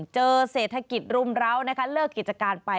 เจอเศรษฐกิจรุมร้าวนะคะเลิกกิจการไป